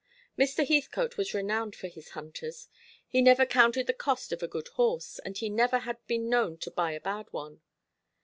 Mr. Heathcote was renowned for his hunters. He never counted the cost of a good horse; and he never had been known to buy a bad one.